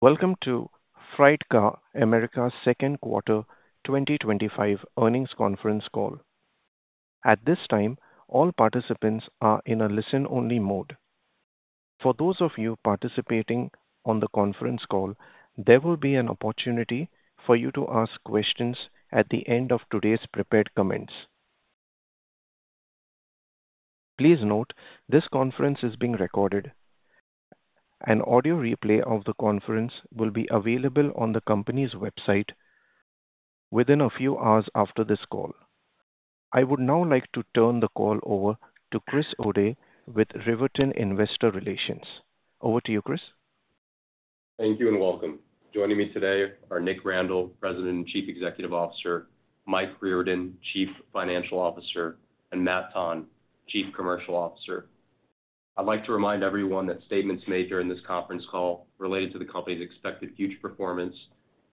Welcome to FreightCar America's Second Quarter 2025 Earnings Conference Call. At this time, all participants are in a listen-only mode. For those of you participating on the conference call, there will be an opportunity for you to ask questions at the end of today's prepared comments. Please note, this conference is being recorded. An audio replay of the conference will be available on the company's website within a few hours after this call. I would now like to turn the call over to Chris O'Dea with Veritone Investor Relations. Over to you, Chris. Thank you and welcome. Joining me today are Nick Randall, President and Chief Executive Officer; Mike Riordan, Chief Financial Officer; and Matt Tonn, Chief Commercial Officer. I'd like to remind everyone that statements made during this conference call related to the company's expected future performance,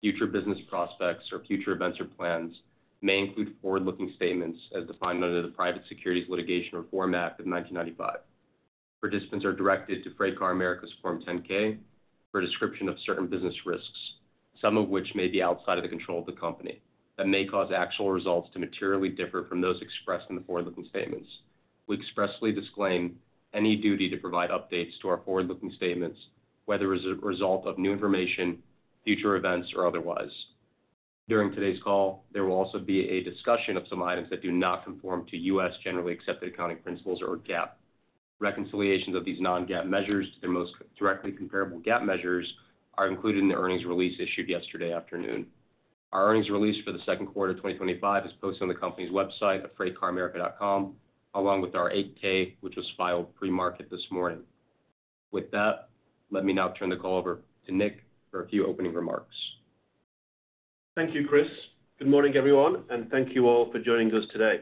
future business prospects, or future events or plans may include forward-looking statements as defined under the Private Securities Litigation Reform Act of 1995. Participants are directed to FreightCar America's Form 10-K for a description of certain business risks, some of which may be outside of the control of the company, that may cause actual results to materially differ from those expressed in the forward-looking statements. We expressly disclaim any duty to provide updates to our forward-looking statements, whether as a result of new information, future events, or otherwise. During today's call, there will also be a discussion of some items that do not conform to U.S. generally accepted accounting principles or GAAP. Reconciliations of these non-GAAP measures to their most directly comparable GAAP measures are included in the earnings release issued yesterday afternoon. Our earnings release for the second quarter of 2025 is posted on the company's website at freightcaramerica.com, along with our 8-K, which was filed pre-market this morning. With that, let me now turn the call over to Nick for a few opening remarks. Thank you, Chris. Good morning, everyone, and thank you all for joining us today.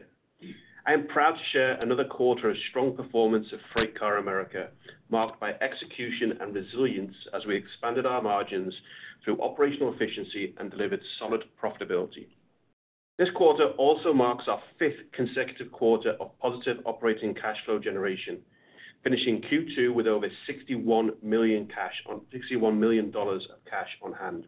I am proud to share another quarter of strong performance of FreightCar America, marked by execution and resilience as we expanded our margins through operational efficiency and delivered solid profitability. This quarter also marks our fifth consecutive quarter of positive operating cash flow generation, finishing Q2 with over $61 million of cash on hand.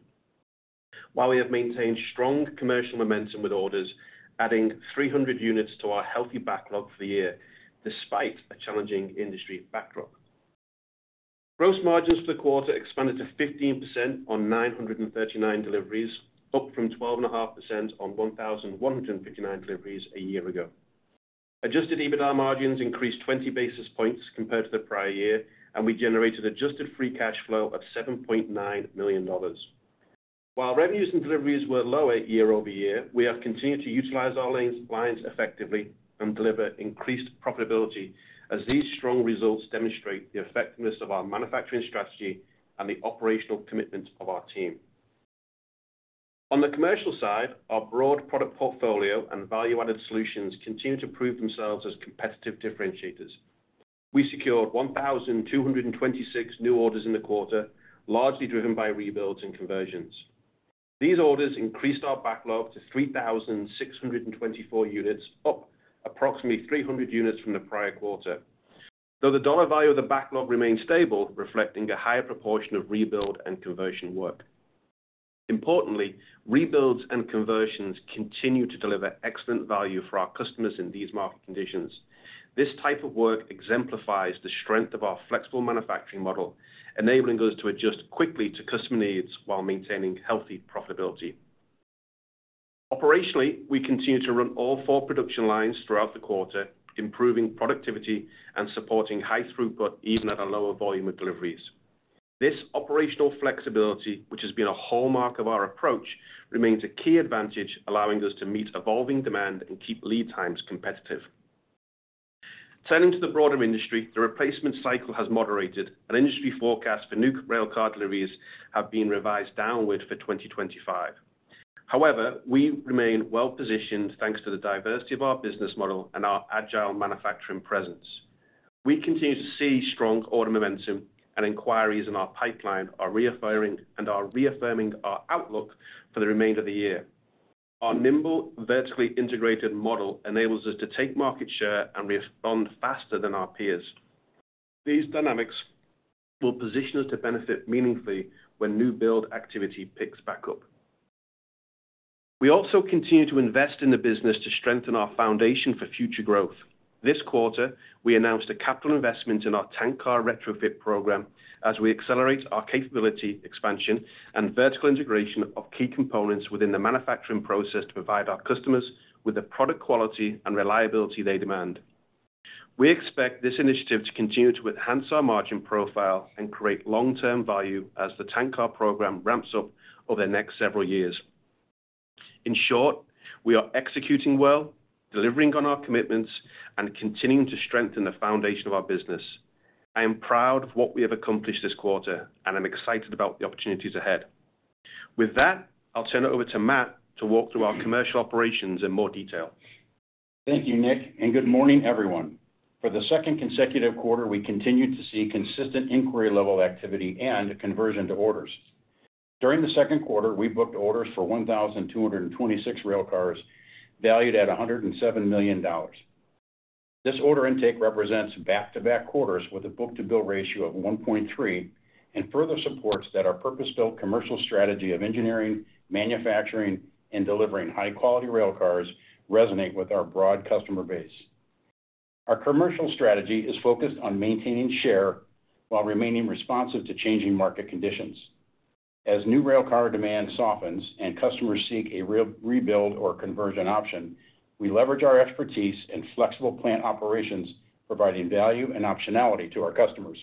While we have maintained strong commercial momentum with orders, adding 300 units to our healthy backlog for the year, despite a challenging industry backlog. Gross margins for the quarter expanded to 15% on 939 deliveries, up from 12.5% on 1,159 deliveries a year ago. Adjusted EBITDA margins increased 20 basis points compared to the prior year, and we generated adjusted free cash flow of $7.9 million. While revenues and deliveries were lower year-over-year, we have continued to utilize our lines effectively and deliver increased profitability as these strong results demonstrate the effectiveness of our manufacturing strategy and the operational commitment of our team. On the commercial side, our broad product portfolio and value-added solutions continue to prove themselves as competitive differentiators. We secured 1,226 new orders in the quarter, largely driven by rebuilds and conversions. These orders increased our backlog to 3,624 units, up approximately 300 units from the prior quarter. Though the dollar value of the backlog remains stable, reflecting a higher proportion of rebuild and conversion work. Importantly, rebuilds and conversions continue to deliver excellent value for our customers in these market conditions. This type of work exemplifies the strength of our flexible manufacturing model, enabling us to adjust quickly to customer needs while maintaining healthy profitability. Operationally, we continue to run all four production lines throughout the quarter, improving productivity and supporting high throughput even at a lower volume of deliveries. This operational flexibility, which has been a hallmark of our approach, remains a key advantage, allowing us to meet evolving demand and keep lead times competitive. Turning to the broader industry, the replacement cycle has moderated, and industry forecasts for new railcar deliveries have been revised downward for 2025. However, we remain well-positioned thanks to the diversity of our business model and our agile manufacturing presence. We continue to see strong order momentum, and inquiries in our pipeline are reaffirming our outlook for the remainder of the year. Our nimble, vertically integrated manufacturing model enables us to take market share and respond faster than our peers. These dynamics will position us to benefit meaningfully when new build activity picks back up. We also continue to invest in the business to strengthen our foundation for future growth. This quarter, we announced a capital investment in our tank car retrofit program as we accelerate our capability expansion and vertical integration of key components within the manufacturing process to provide our customers with the product quality and reliability they demand. We expect this initiative to continue to enhance our margin profile and create long-term value as the tank car retrofit program ramps up over the next several years. In short, we are executing well, delivering on our commitments, and continuing to strengthen the foundation of our business. I am proud of what we have accomplished this quarter, and I'm excited about the opportunities ahead. With that, I'll turn it over to Matt to walk through our commercial operations in more detail. Thank you, Nick, and good morning, everyone. For the second consecutive quarter, we continued to see consistent inquiry-level activity and conversion to orders. During the second quarter, we booked orders for 1,226 railcars valued at $107 million. This order intake represents back-to-back orders with a book-to-bill ratio of 1.3x and further supports that our purpose-built commercial strategy of engineering, manufacturing, and delivering high-quality railcars resonates with our broad customer base. Our commercial strategy is focused on maintaining share while remaining responsive to changing market conditions. As new railcar demand softens and customers seek a rebuild or conversion option, we leverage our expertise and flexible plant operations, providing value and optionality to our customers.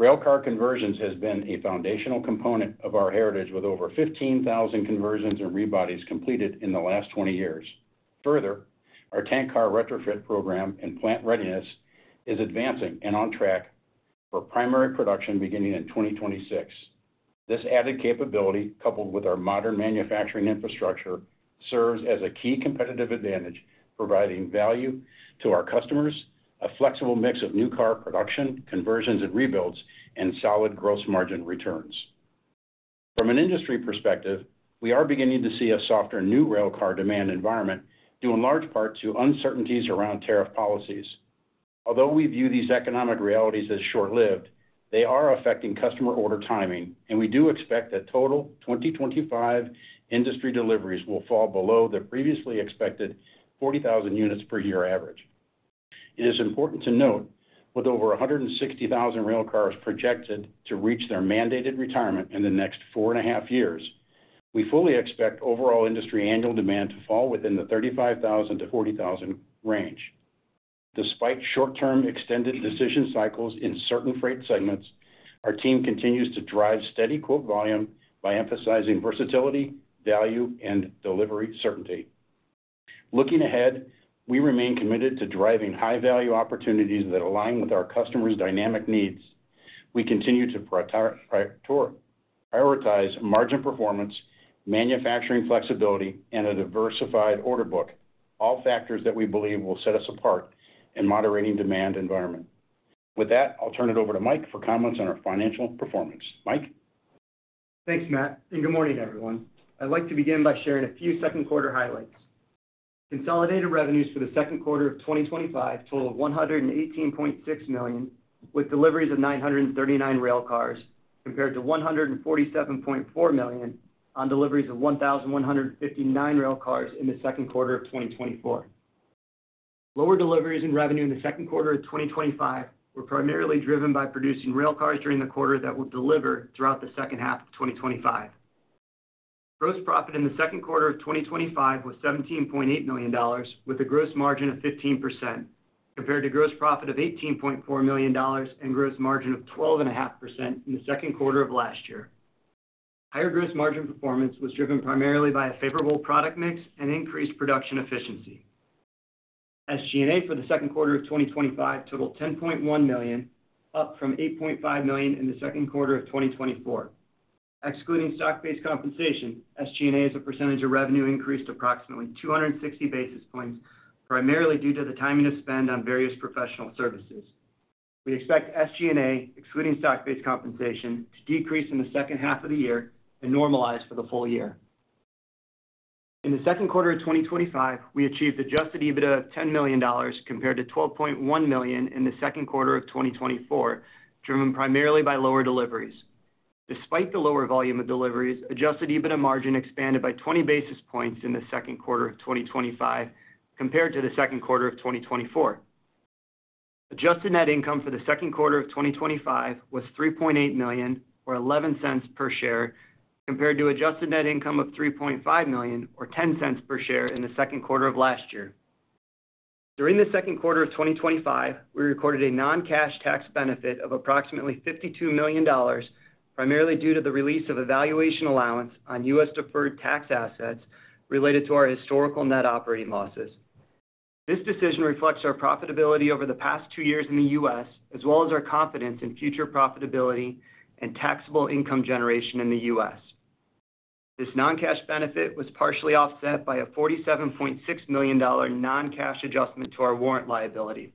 Railcar conversions have been a foundational component of our heritage, with over 15,000 conversions and rebodies completed in the last 20 years. Further, our tank car retrofit program and plant readiness is advancing and on track for primary production beginning in 2026. This added capability, coupled with our modern manufacturing infrastructure, serves as a key competitive advantage, providing value to our customers, a flexible mix of new car production, conversions and rebuilds, and solid gross margin returns. From an industry perspective, we are beginning to see a softer new railcar demand environment, due in large part to uncertainties around tariff policies. Although we view these economic realities as short-lived, they are affecting customer order timing, and we do expect that total 2025 industry deliveries will fall below the previously expected 40,000 units per year average. It is important to note with over 160,000 railcars projected to reach their mandated retirement in the next four and a half years, we fully expect overall industry annual demand to fall within the 35,000-40,000 range. Despite short-term extended decision cycles in certain freight segments, our team continues to drive steady quote volume by emphasizing versatility, value, and delivery certainty. Looking ahead, we remain committed to driving high-value opportunities that align with our customers' dynamic needs. We continue to prioritize margin performance, manufacturing flexibility, and a diversified order book, all factors that we believe will set us apart in a moderating demand environment. With that, I'll turn it over to Mike for comments on our financial performance. Mike? Thanks, Matt, and good morning, everyone. I'd like to begin by sharing a few second quarter highlights. Consolidated revenues for the second quarter of 2025 totaled $118.6 million, with deliveries of 939 railcars compared to $147.4 million on deliveries of 1,159 railcars in the second quarter of 2024. Lower deliveries and revenue in the second quarter of 2025 were primarily driven by producing railcars during the quarter that were delivered throughout the second half of 2025. Gross profit in the second quarter of 2025 was $17.8 million, with a gross margin of 15% compared to a gross profit of $18.4 million and a gross margin of 12.5% in the second quarter of last year. Higher gross margin performance was driven primarily by a favorable product mix and increased production efficiency. SG&A for the second quarter of 2025 totaled $10.1 million, up from $8.5 million in the second quarter of 2024. Excluding stock-based compensation, SG&A as a percentage of revenue increased approximately 260 basis points, primarily due to the timing of spend on various professional services. We expect SG&A, excluding stock-based compensation, to decrease in the second half of the year and normalize for the full year. In the second quarter of 2025, we achieved an adjusted EBITDA of $10 million compared to $12.1 million in the second quarter of 2024, driven primarily by lower deliveries. Despite the lower volume of deliveries, adjusted EBITDA margin expanded by 20 basis points in the second quarter of 2025 compared to the second quarter of 2024. Adjusted net income for the second quarter of 2025 was $3.8 million or $0.11 per share, compared to an adjusted net income of $3.5 million or $0.10 per share in the second quarter of last year. During the second quarter of 2025, we recorded a non-cash tax benefit of approximately $52 million, primarily due to the release of a valuation allowance on U.S. deferred tax assets related to our historical net operating losses. This decision reflects our profitability over the past two years in the U.S., as well as our confidence in future profitability and taxable income generation in the U.S. This non-cash benefit was partially offset by a $47.6 million non-cash adjustment to our warrant liability.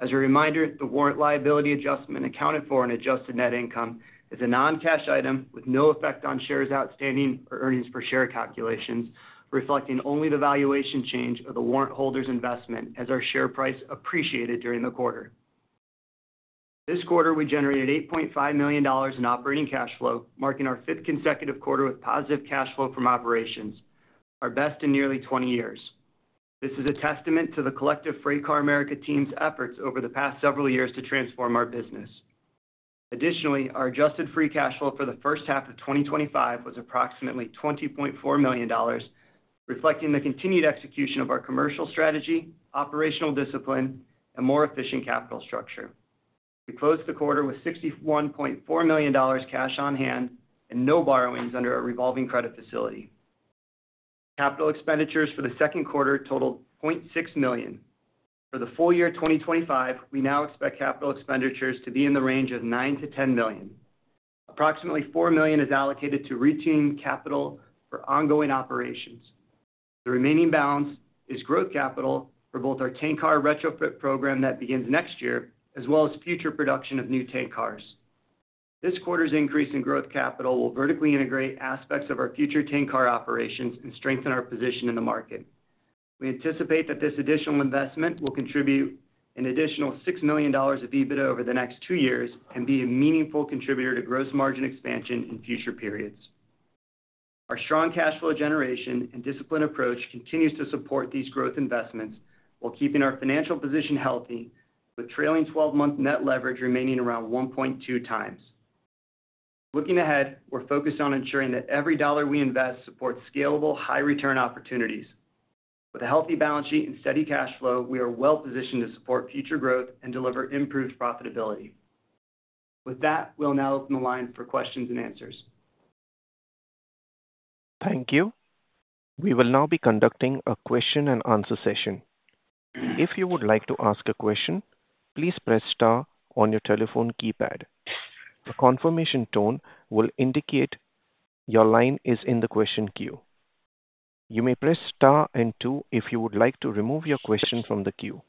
As a reminder, the warrant liability adjustment accounted for in adjusted net income is a non-cash item with no effect on shares outstanding or earnings per share calculations, reflecting only the valuation change of the warrant holder's investment as our share price appreciated during the quarter. This quarter, we generated $8.5 million in operating cash flow, marking our fifth consecutive quarter with positive cash flow from operations, our best in nearly 20 years. This is a testament to the collective FreightCar America team's efforts over the past several years to transform our business. Additionally, our adjusted free cash flow for the first half of 2025 was approximately $20.4 million, reflecting the continued execution of our commercial strategy, operational discipline, and more efficient capital structure. We closed the quarter with $61.4 million cash on hand and no borrowings under a revolving credit facility. Capital expenditures for the second quarter totaled $0.6 million. For the full year 2025, we now expect capital expenditures to be in the range of $9 million-$10 million. Approximately $4 million is allocated to retaining capital for ongoing operations. The remaining balance is growth capital for both our tank car retrofit program that begins next year, as well as future production of new tank cars. This quarter's increase in growth capital will vertically integrate aspects of our future tank car operations and strengthen our position in the market. We anticipate that this additional investment will contribute an additional $6 million of EBITDA over the next two years and be a meaningful contributor to gross margin expansion in future periods. Our strong cash flow generation and discipline approach continue to support these growth investments while keeping our financial position healthy, with trailing 12-month net leverage remaining around 1.2x. Looking ahead, we're focused on ensuring that every dollar we invest supports scalable, high-return opportunities. With a healthy balance sheet and steady cash flow, we are well-positioned to support future growth and deliver improved profitability. With that, we'll now open the line for questions and answers. Thank you. We will now be conducting a question and answer session. If you would like to ask a question, please press star on your telephone keypad. A confirmation tone will indicate your line is in the question queue. You may press star and two if you would like to remove your question from the queue.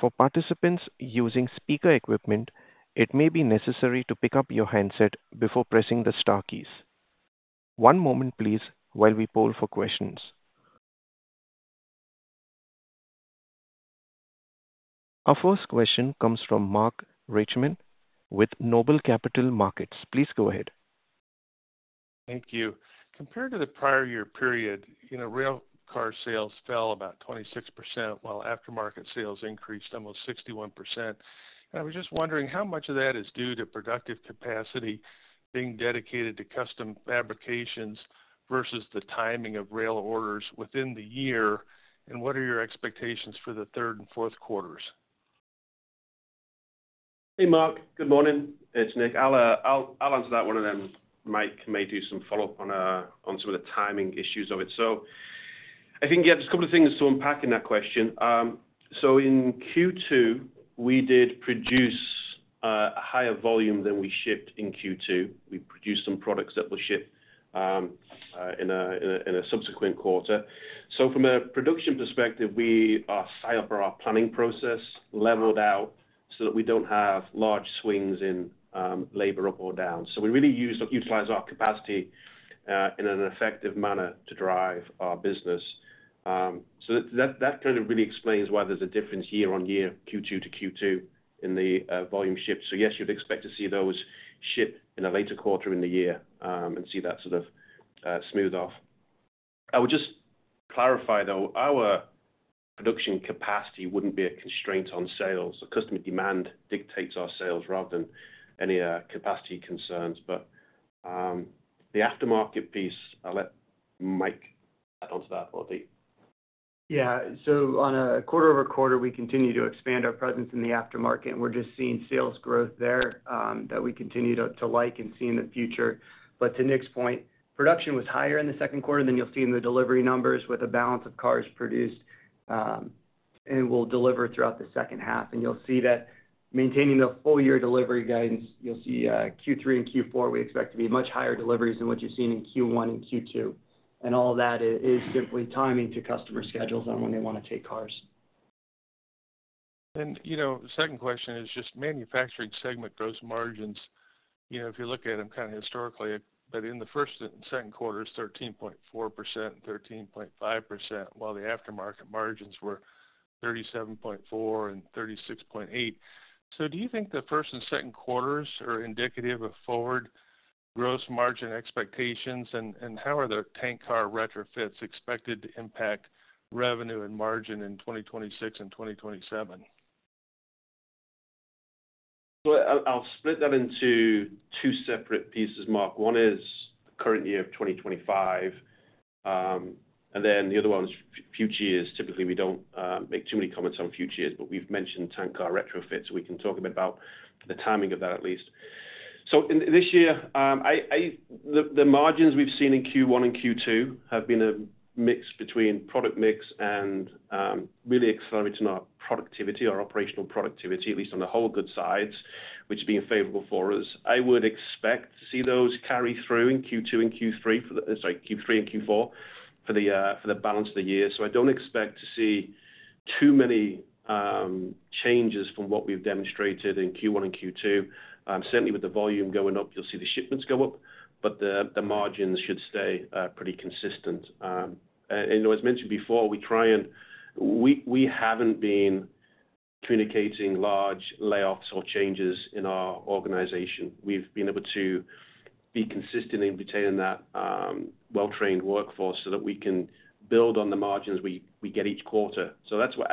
For participants using speaker equipment, it may be necessary to pick up your handset before pressing the star keys. One moment, please, while we poll for questions. Our first question comes from Mark Reichman with Noble Capital Markets. Please go ahead. Thank you. Compared to the prior year period, railcar sales fell about 26% while aftermarket sales increased almost 61%. I was just wondering how much of that is due to productive capacity being dedicated to custom fabrications versus the timing of rail orders within the year, and what are your expectations for the third and fourth quarters? Hey, Mark. Good morning. It's Nick. I'll answer that one, and then Mike may do some follow-up on some of the timing issues of it. I think, yeah, there's a couple of things to unpack in that question. In Q2, we did produce a higher volume than we shipped in Q2. We produced some products that were shipped in a subsequent quarter. From a production perspective, we are set up for our planning process leveled out so that we don't have large swings in labor up or down. We really utilize our capacity in an effective manner to drive our business. That kind of really explains why there's a difference year on year, Q2 to Q2, in the volume shift. Yes, you'd expect to see those ship in a later quarter in the year and see that sort of smooth off. I would just clarify, though, our production capacity wouldn't be a constraint on sales. The customer demand dictates our sales rather than any capacity concerns. The aftermarket piece, I'll let Mike add on to that, or the... Yeah, on a quarter-over-quarter, we continue to expand our presence in the aftermarket, and we're just seeing sales growth there that we continue to like and see in the future. To Nick's point, production was higher in the second quarter than you'll see in the delivery numbers with a balance of cars produced and will deliver throughout the second half. You'll see that maintaining the full-year delivery guidance, Q3 and Q4, we expect to be much higher deliveries than what you've seen in Q1 and Q2. All of that is simply timing to customer schedules on when they want to take cars. The second question is just manufacturing segment gross margins. If you look at them kind of historically, but in the first and second quarters, 13.4% and 13.5%, while the aftermarket margins were 37.4% and 36.8%. Do you think the first and second quarters are indicative of forward gross margin expectations, and how are the tank car retrofits expected to impact revenue and margin in 2026 and 2027? I'll split that into two separate pieces, Mark. One is the current year of 2025, and then the other one is future years. Typically, we don't make too many comments on future years, but we've mentioned tank car retrofits, so we can talk a bit about the timing of that at least. In this year, the margins we've seen in Q1 and Q2 have been a mix between product mix and really accelerating our productivity, our operational productivity, at least on the whole goods side, which has been favorable for us. I would expect to see those carry through Q3 and Q4 for the balance of the year. I don't expect to see too many changes from what we've demonstrated in Q1 and Q2. Certainly, with the volume going up, you'll see the shipments go up, but the margins should stay pretty consistent. As mentioned before, we try and we haven't been communicating large layoffs or changes in our organization. We've been able to be consistent in retaining that well-trained workforce so that we can build on the margins we get each quarter. That's why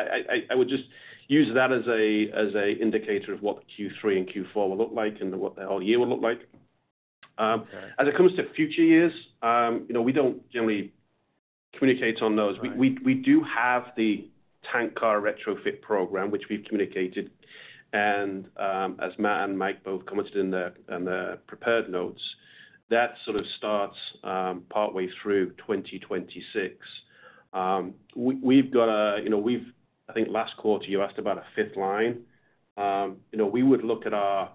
I would just use that as an indicator of what Q3 and Q4 will look like and what the whole year will look like. As it comes to future years, we don't generally communicate on those. We do have the tank car retrofit program, which we've communicated. As Matt and Mike both commented in the prepared notes, that sort of starts partway through 2026. I think last quarter you asked about a fifth line. We would look at our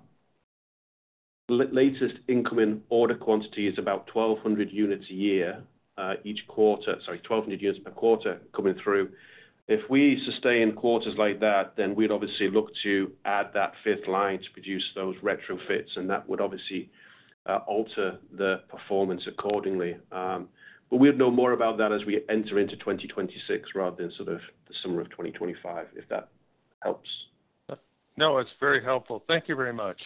latest incoming order quantity, which is about 1,200 units per quarter coming through. If we sustain quarters like that, then we'd obviously look to add that fifth line to produce those retrofits, and that would obviously alter the performance accordingly. We'd know more about that as we enter into 2026 rather than the summer of 2025, if that helps. No, that's very helpful. Thank you very much.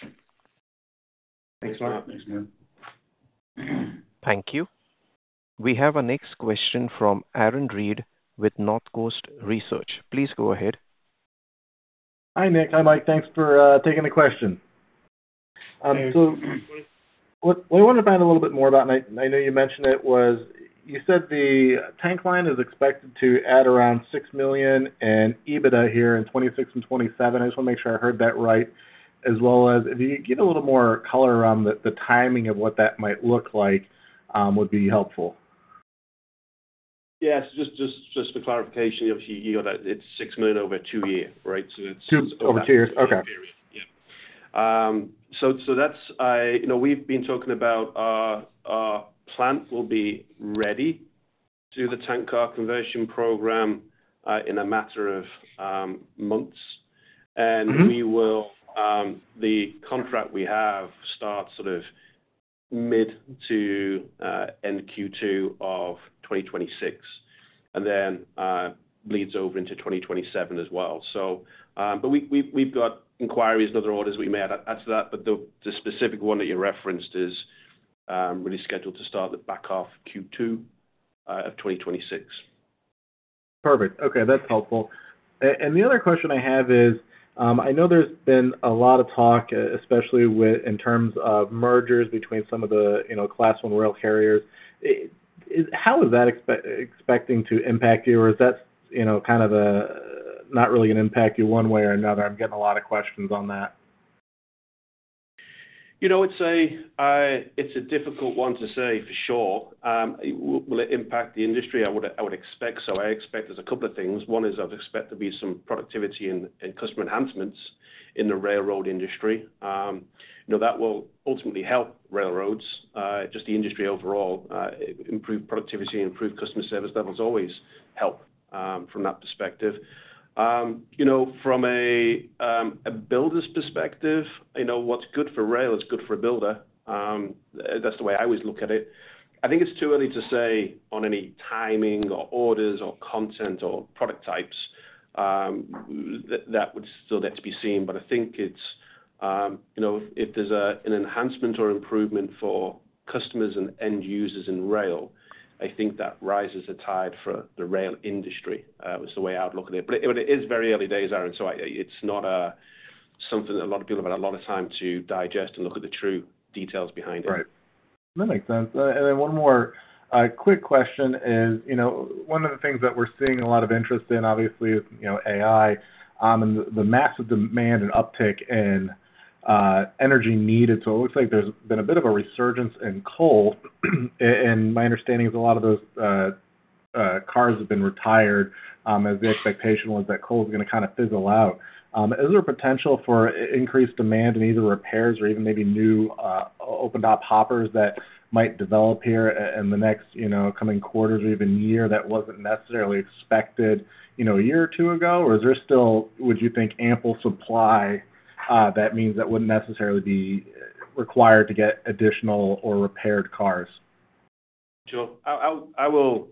Thanks, Mark. Thanks, man. Thank you. We have a next question from Aaron Reed with Northcoast Research. Please go ahead. Hi, Nick. Hi, Mike. Thanks for taking the question. I want to find out a little bit more about, I know you mentioned it was, you said the tank line is expected to add around $6 million in EBITDA here in 2026 and 2027. I just want to make sure I heard that right, as well as if you could give a little more color around the timing of what that might look like would be helpful. Yes, just for clarification, obviously you got it, it's $6 million over a two-year, right? It's. Over two years. Okay. Yeah, so that's, you know, we've been talking about our plant will be ready to do the tank car retrofit program in a matter of months. We will, the contract we have starts sort of mid to end Q2 of 2026, and then bleeds over into 2027 as well. We've got inquiries and other orders we may add to that, but the specific one that you referenced is really scheduled to start the back off Q2 of 2026. Okay, that's helpful. The other question I have is, I know there's been a lot of talk, especially in terms of mergers between some of the class one rail carriers. How is that expecting to impact you, or is that kind of not really going to impact you one way or another? I'm getting a lot of questions on that. You know, it's a difficult one to say for sure. Will it impact the industry? I would expect so. I expect there's a couple of things. One is I expect there'll be some productivity and customer enhancements in the railroad industry. That will ultimately help railroads. Just the industry overall, improved productivity and improved customer service levels always help from that perspective. From a builder's perspective, you know, what's good for rail is good for a builder. That's the way I always look at it. I think it's too early to say on any timing or orders or content or product types. That would still need to be seen. If there's an enhancement or improvement for customers and end users in rail, I think that rises the tide for the rail industry. It's the way I would look at it. It is very early days, Aaron. It's not something that a lot of people have had a lot of time to digest and look at the true details behind it. Right. That makes sense. One more quick question is, you know, one of the things that we're seeing a lot of interest in, obviously, is AI and the massive demand and uptick in energy needed. It looks like there's been a bit of a resurgence in coal. My understanding is a lot of those cars have been retired as the expectation was that coal is going to kind of fizzle out. Is there a potential for increased demand in either repairs or even maybe new open-top hoppers that might develop here in the next, you know, coming quarters or even year that wasn't necessarily expected, you know, a year or two ago? Do you think there is still ample supply that means that wouldn't necessarily be required to get additional or repaired cars? Sure. I will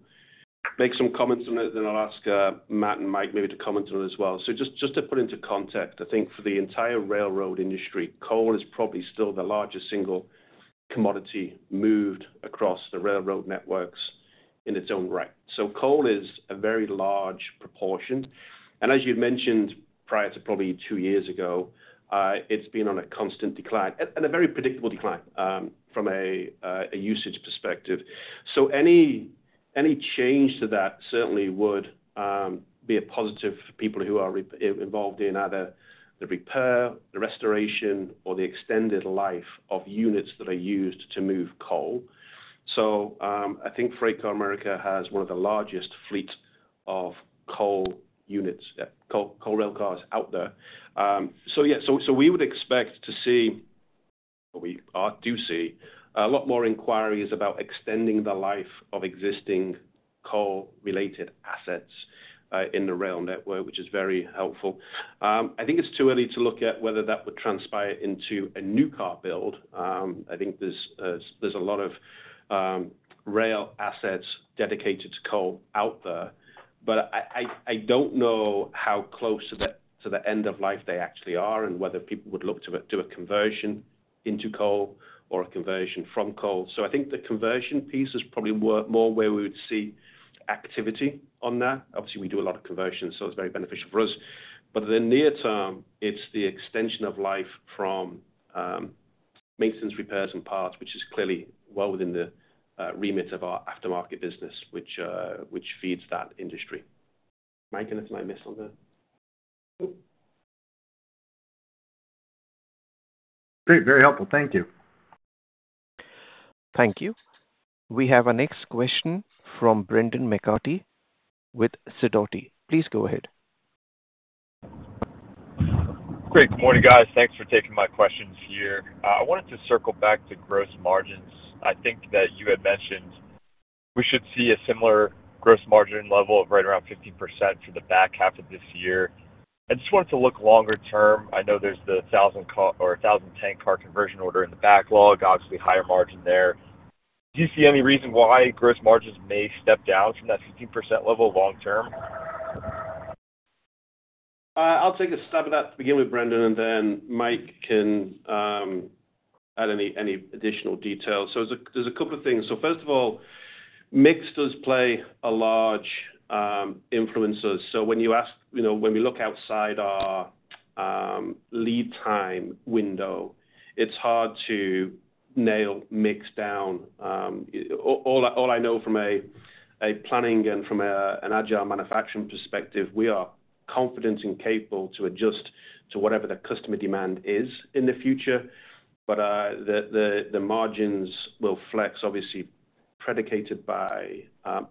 make some comments on it, and then I'll ask Matt and Mike maybe to comment on it as well. Just to put into context, I think for the entire railroad industry, coal is probably still the largest single commodity moved across the railroad networks in its own right. Coal is a very large proportion. As you've mentioned, prior to probably two years ago, it's been on a constant decline and a very predictable decline from a usage perspective. Any change to that certainly would be a positive for people who are involved in either the repair, the restoration, or the extended life of units that are used to move coal. I think FreightCar America has one of the largest fleets of coal units, coal railcars out there. We would expect to see, or we do see, a lot more inquiries about extending the life of existing coal-related assets in the rail network, which is very helpful. I think it's too early to look at whether that would transpire into a new car build. I think there's a lot of rail assets dedicated to coal out there. I don't know how close to the end of life they actually are and whether people would look to do a conversion into coal or a conversion from coal. The conversion piece is probably more where we would see activity on that. Obviously, we do a lot of conversion, so it's very beneficial for us. In the near term, it's the extension of life from maintenance, repairs, and parts, which is clearly well within the remit of our aftermarket business, which feeds that industry. Mike, anything I missed on that? Very helpful. Thank you. Thank you. We have a next question from Brendan McCarthy with Sidoti. Please go ahead. Good morning, guys. Thanks for taking my questions here. I wanted to circle back to gross margins. I think that you had mentioned we should see a similar gross margin level of right around 15% for the back half of this year. I just wanted to look longer term. I know there's the 1,000 or 1,000 tank car conversion order in the backlog, obviously higher margin there. Do you see any reason why gross margins may step down from that 15% level long-term? I'll take a stab at that to begin with, Brendan, and then Mike can add any additional details. There are a couple of things. First of all, mix does play a large influence. When you ask, you know, when we look outside our lead time window, it's hard to nail mix down. All I know from a planning and from an agile manufacturing perspective, we are confident and capable to adjust to whatever the customer demand is in the future. The margins will flex, obviously predicated by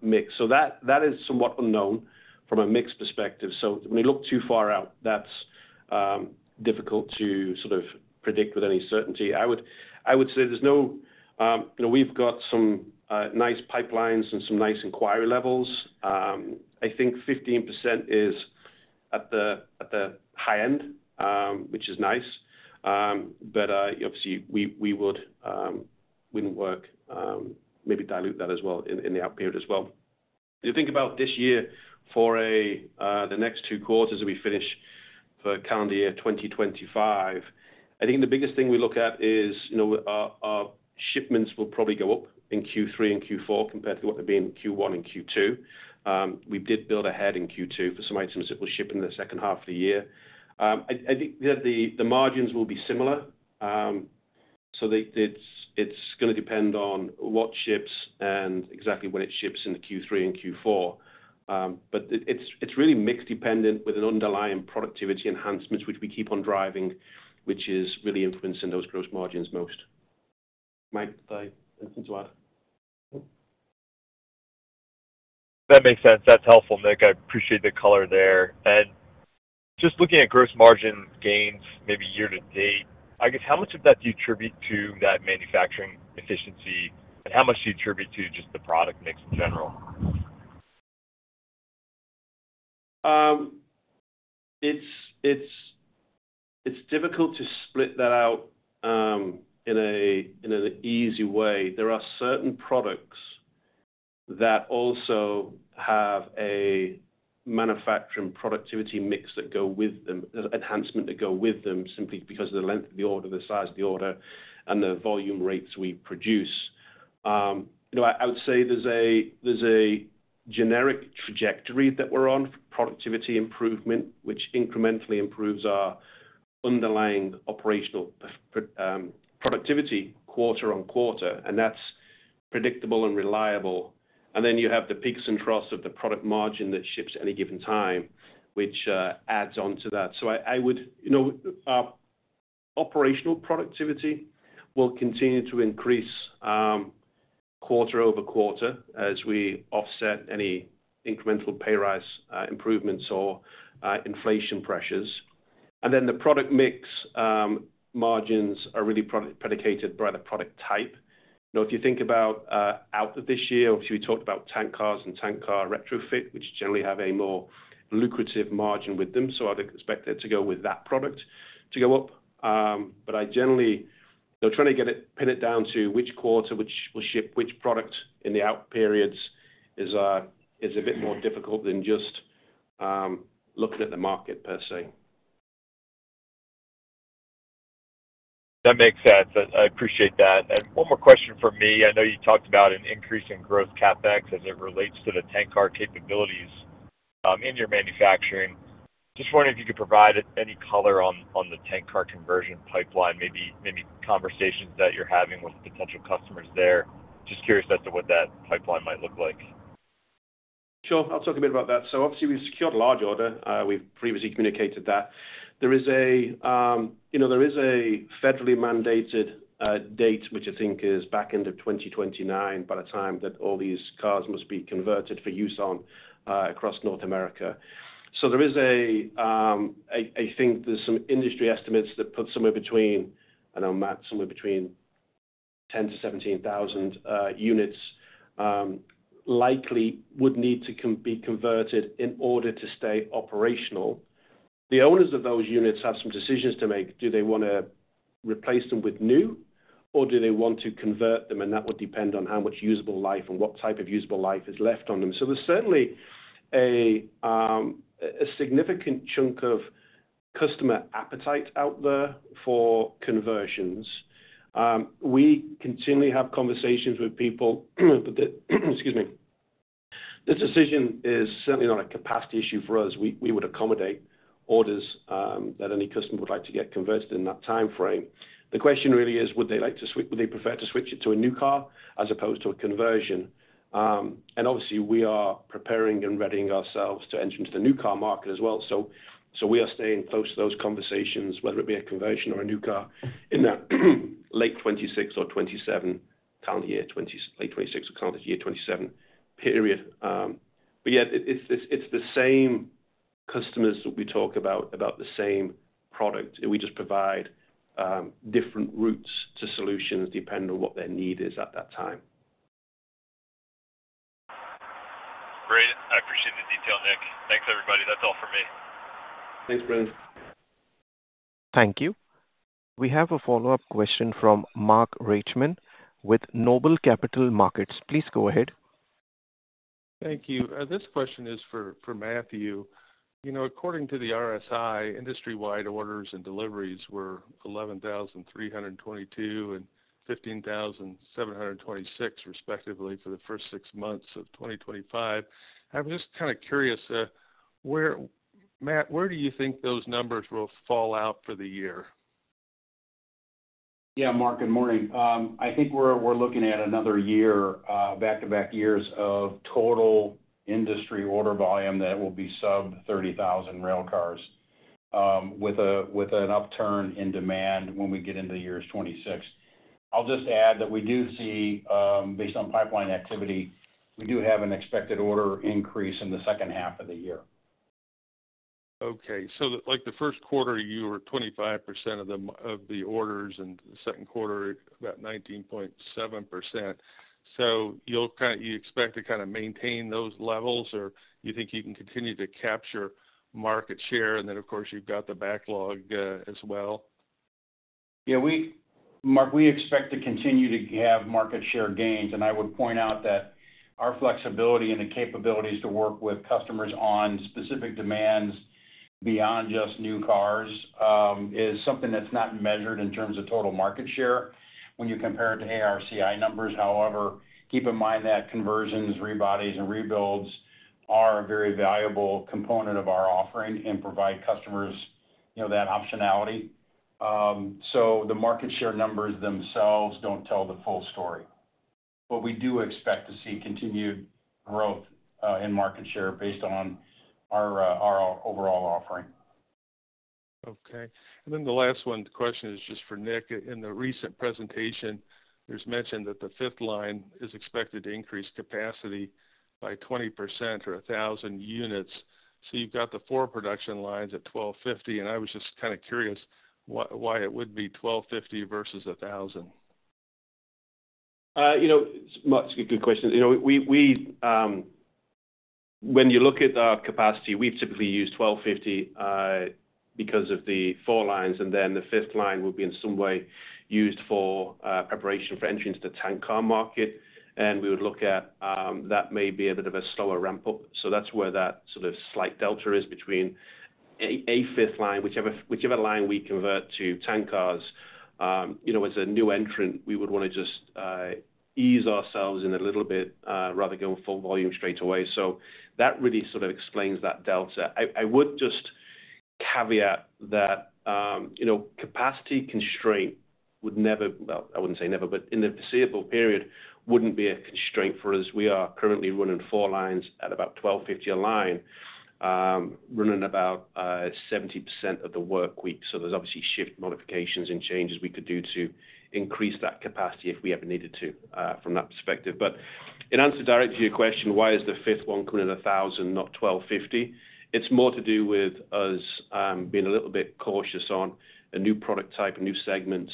mix. That is somewhat unknown from a mix perspective. When you look too far out, that's difficult to sort of predict with any certainty. I would say there's no, you know, we've got some nice pipelines and some nice inquiry levels. I think 15% is at the high end, which is nice. Obviously, we would work, maybe dilute that as well in the out period as well. You think about this year for the next two quarters that we finish for calendar year 2025. I think the biggest thing we look at is, you know, our shipments will probably go up in Q3 and Q4 compared to what they've been in Q1 and Q2. We did build ahead in Q2 for some items that were shipped in the second half of the year. I think that the margins will be similar. It's going to depend on what ships and exactly when it ships in Q3 and Q4. It's really mix dependent with an underlying productivity enhancement, which we keep on driving, which is really influencing those gross margins most. Mike, anything to add? That makes sense. That's helpful, Nick. I appreciate the color there. Just looking at gross margin gains, maybe year to date, I guess how much of that do you attribute to that manufacturing efficiency? How much do you attribute to just the product mix in general? It's difficult to split that out in an easy way. There are certain products that also have a manufacturing productivity mix that go with them, enhancement that go with them, simply because of the length of the order, the size of the order, and the volume rates we produce. I would say there's a generic trajectory that we're on for productivity improvement, which incrementally improves our underlying operational productivity quarter on quarter. That's predictable and reliable. You have the peaks and troughs of the product margin that ships at any given time, which adds on to that. I would say our operational productivity will continue to increase quarter-over-quarter as we offset any incremental pay rise improvements or inflation pressures. The product mix margins are really predicated by the product type. Now, if you think about out of this year, obviously, we talked about tank cars and tank car retrofit, which generally have a more lucrative margin with them. I'd expect it to go with that product to go up. I generally, you know, trying to get it, pin it down to which quarter, which will ship which product in the out periods is a bit more difficult than just looking at the market per se. That makes sense. I appreciate that. One more question from me. I know you talked about an increase in gross CapEx as it relates to the tank car capabilities in your manufacturing. I am just wondering if you could provide any color on the tank car conversion pipeline, maybe conversations that you're having with potential customers there. I am just curious as to what that pipeline might look like. Sure. I'll talk a bit about that. Obviously, we've secured a large order. We've previously communicated that. There is a federally mandated date, which I think is back end of 2029, by the time that all these cars must be converted for use across North America. There are some industry estimates that put somewhere between, and I'll map somewhere between 10,000-17,000 units likely would need to be converted in order to stay operational. The owners of those units have some decisions to make. Do they want to replace them with new, or do they want to convert them? That would depend on how much usable life and what type of usable life is left on them. There is certainly a significant chunk of customer appetite out there for conversions. We continually have conversations with people. The decision is certainly not a capacity issue for us. We would accommodate orders that any customer would like to get converted in that timeframe. The question really is, would they like to switch? Would they prefer to switch it to a new car as opposed to a conversion? Obviously, we are preparing and readying ourselves to enter into the new car market as well. We are staying close to those conversations, whether it be a conversion or a new car in that late 2026 or 2027 calendar year period. It's the same customers that we talk about, about the same product. We just provide different routes to solutions depending on what their need is at that time. Great. I appreciate the detail, Nick. Thanks, everybody. That's all for me. Thanks, Brendan. Thank you. We have a follow-up question from Mark Reichman with Noble Capital Markets. Please go ahead. Thank you. This question is for Matt. You know, according to the RSI, industry-wide orders and deliveries were 11,322 and 15,726, respectively, for the first six months of 2025. I'm just kind of curious, Matt, where do you think those numbers will fall out for the year? Yeah, Mark, good morning. I think we're looking at another year, back-to-back years of total industry order volume that will be sub 30,000 railcars with an upturn in demand when we get into the year 2026. I'll just add that we do see, based on pipeline activity, we do have an expected order increase in the second half of the year. Okay. Like the first quarter, you were 25% of the orders, and the second quarter about 19.7%. Do you expect to kind of maintain those levels, or do you think you can continue to capture market share? Of course, you've got the backlog as well. Yeah, Mark, we expect to continue to have market share gains. I would point out that our flexibility and the capabilities to work with customers on specific demands beyond just new cars is something that's not measured in terms of total market share when you compare it to ARCI numbers. However, keep in mind that conversions, rebodies, and rebuilds are a very valuable component of our offering and provide customers that optionality. The market share numbers themselves don't tell the full story. We do expect to see continued growth in market share based on our overall offering. Okay. The last one, the question is just for Nick. In the recent presentation, there's mention that the fifth line is expected to increase capacity by 20% or 1,000 units. You've got the four production lines at 1,250. I was just kind of curious why it would be 1,250 versus 1,000. You know, it's a good question. When you look at the capacity, we typically use 1,250 because of the four lines. The fifth line would be in some way used for preparation for entry into the tank car market. We would look at that maybe as a bit of a slower ramp-up. That's where that sort of slight delta is between a fifth line, whichever line we convert to tank cars. You know, as a new entrant, we would want to just ease ourselves in a little bit rather than going full volume straight away. That really sort of explains that delta. I would just caveat that capacity constraint would never, I wouldn't say never, but in the foreseeable period wouldn't be a constraint for us. We are currently running four lines at about 1,250 a line, running about 70% of the work week. There are obviously shift modifications and changes we could do to increase that capacity if we ever needed to from that perspective. In answer direct to your question, why is the fifth one coming in at 1,000, not 1,250? It's more to do with us being a little bit cautious on a new product type, a new segment.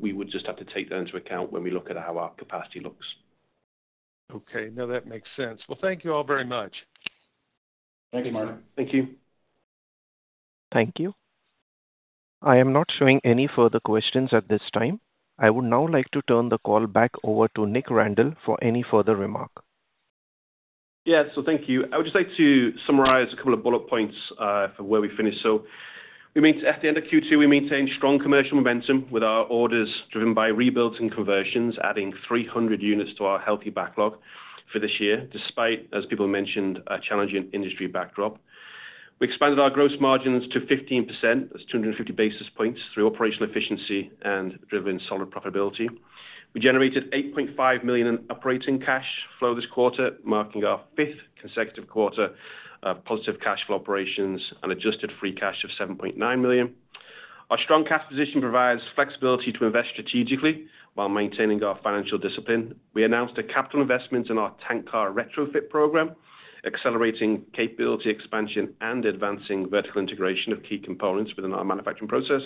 We would just have to take that into account when we look at how our capacity looks. Okay. No, that makes sense. Thank you all very much. Thank you, Mark. Thank you. Thank you. I am not showing any further questions at this time. I would now like to turn the call back over to Nick Randall for any further remark. Thank you. I would just like to summarize a couple of bullet points for where we finish. At the end of Q2, we maintained strong commercial momentum with our orders driven by rebuilds and conversions, adding 300 units to our healthy backlog for this year, despite, as people mentioned, a challenging industry backdrop. We expanded our gross margins to 15%. That's 250 basis points through operational efficiency and driven solid profitability. We generated $8.5 million in operating cash flow this quarter, marking our fifth consecutive quarter of positive cash flow operations and adjusted free cash of $7.9 million. Our strong cash position provides flexibility to invest strategically while maintaining our financial discipline. We announced a capital investment in our tank car retrofit program, accelerating capability expansion and advancing vertical integration of key components within our manufacturing process.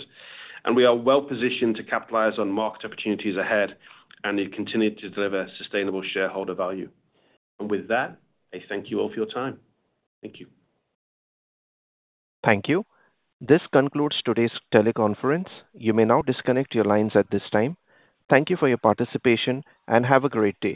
We are well positioned to capitalize on market opportunities ahead and continue to deliver sustainable shareholder value. I thank you all for your time. Thank you. Thank you. This concludes today's teleconference. You may now disconnect your lines at this time. Thank you for your participation and have a great day.